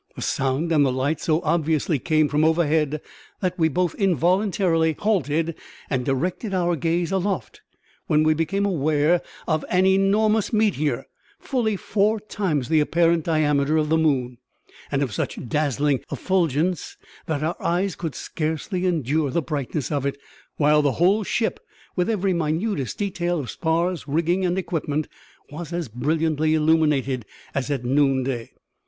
The sound and the light so obviously came from overhead that we both involuntarily halted and directed our gaze aloft, when we became aware of an enormous meteor, fully four times the apparent diameter of the moon, and of such dazzling effulgence that our eyes could scarcely endure the brightness of it, while the whole ship, with every minutest detail of spars, rigging, and equipment, was as brilliantly illuminated as at noonday.